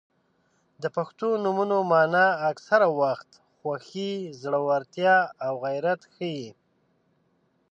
• د پښتو نومونو مانا اکثره وخت خوښي، زړورتیا او غیرت ښيي.